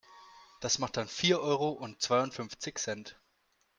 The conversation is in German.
Das macht dann vier Euro und zweiundfünfzig Cent.